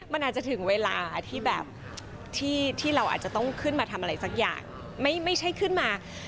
มันอาจจะถึงเวลาที่แบบที่เราอาจจะต้องขึ้นมาทำอะไรสักอย่าง